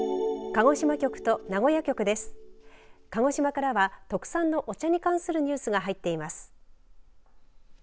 鹿児島からは特産のお茶に関するニュースが入っています。